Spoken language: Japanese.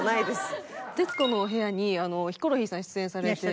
『徹子の部屋』にヒコロヒーさん出演されて。